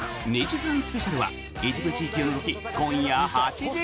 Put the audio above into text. ２時間スペシャルは一部地域を除き、今夜８時。